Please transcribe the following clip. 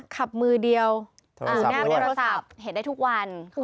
ขับมือเดียวหน้าเป็นโทรศัพท์เห็นได้ทุกวันโทรศัพท์ด้วย